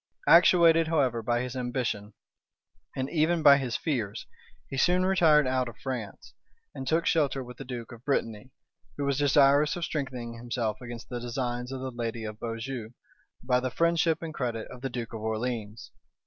Actuated, however, by his ambition, and even by his fears, he soon retired out of France, and took shelter with the duke of Brittany, who was desirous of strengthening himself against the designs of the lady of Beaujeu by the friendship and credit of the duke of Orleans.